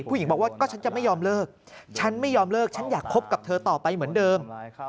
ผู้หญิงบอกว่าก็ฉันจะไม่ยอมเลิกฉันไม่ยอมเลิกฉันอยากคบกับเธอต่อไปเหมือนเดิม